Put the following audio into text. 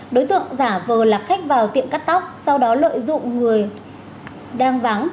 đối tượng giả vờ là khách vào tiệm cắt tóc sau đó lợi dụng người đang vắng